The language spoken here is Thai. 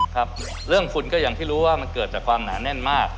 ครับเรื่องฝุ่นก็อย่างที่รู้ว่ามันเกิดจากความหนาแน่นมาก